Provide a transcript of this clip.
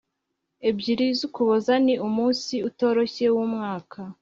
ebyiri z'ukuboza ni umunsi utoroshye wumwaka